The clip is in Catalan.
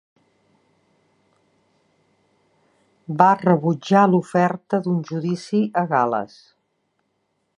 Va rebutjar l'oferta d'un judici a Gal·les.